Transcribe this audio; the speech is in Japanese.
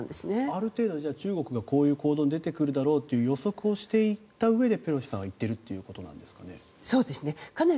ある程度、中国がこういう行動に出てくるだろうと予測をしていたうえでペロシさんは行ったということですかね。